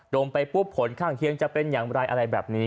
มไปปุ๊บผลข้างเคียงจะเป็นอย่างไรอะไรแบบนี้